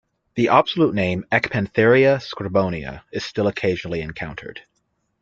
The obsolete name "Ecpantheria scribonia" is still occasionally encountered.